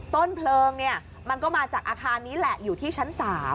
ต้นเพลิงเนี่ยมันก็มาจากอาคารนี้แหละอยู่ที่ชั้น๓